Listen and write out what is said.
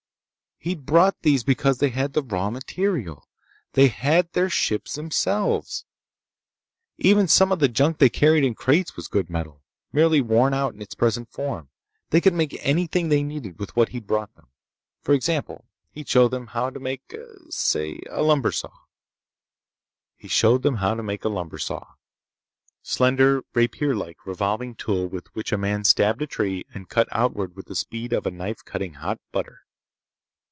He'd brought these because they had the raw material. They had their ships themselves! Even some of the junk they carried in crates was good metal, merely worn out in its present form. They could make anything they needed with what he'd brought them. For example, he'd show them how to make ... say ... a lumber saw. He showed them how to make a lumber saw—slender, rapierlike revolving tool with which a man stabbed a tree and cut outward with the speed of a knife cutting hot butter.